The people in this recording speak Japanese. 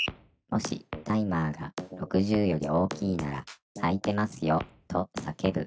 「もしタイマーが６０より大きいなら『開いてますよ』とさけぶ」